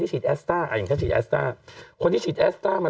ฉีดแอสต้าอ่ะอย่างแค่ฉีดแอสต้าคนที่ฉีดแอสต้ามา